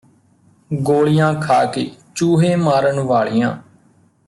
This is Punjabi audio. ਗੋਲੀਆਂ ਖਾ ਕੇ ਚੂਹੇ ਮਾਰਨ ਵਾਲੀਆਂ